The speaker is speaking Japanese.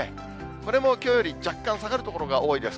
これもきょうより若干下がる所多いです。